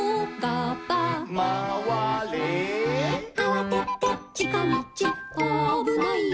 「あわててちかみちあぶないよ」